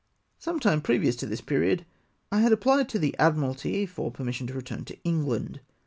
Some time previous to this period I had apphed to the Admkalty for permission to return to England.